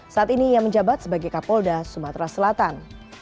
saat ini ia menjabat sebagai kapolda sumatera selatan